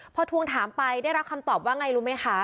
พอทวงถามไปได้รับคำตอบว่าไงรู้ไหมคะ